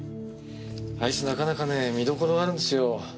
あいつなかなかね見どころがあるんですよ。